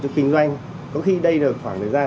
cho kinh doanh có khi đây là khoảng thời gian